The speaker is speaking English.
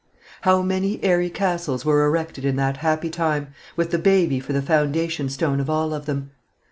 How many airy castles were erected in that happy time, with the baby for the foundation stone of all of them!